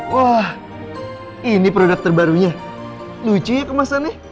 wah ini produk terbarunya lucu ya kemasannya